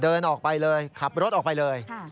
เดินออกไปเลยขับรถออกไปเลย